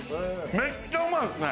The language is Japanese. めっちゃうまいっすね。